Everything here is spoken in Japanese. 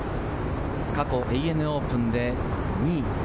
過去、ＡＮＡオープンで２位。